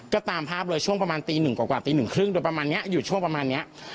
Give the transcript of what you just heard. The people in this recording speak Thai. ก็ตามภาพเลยช่วงประมาณตีหนึ่งกว่าตีหนึ่งครึ่งโดยประมาณนี้อยู่ช่วงประมาณนี้